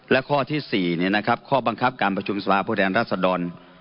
และข้อที่สี่ข้อบังคับการประชุมศาพุทธแห่งราชดร